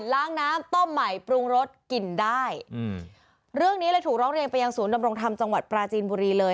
ล้างน้ำต้มใหม่ปรุงรสกินได้อืมเรื่องนี้เลยถูกร้องเรียนไปยังศูนย์ดำรงธรรมจังหวัดปราจีนบุรีเลย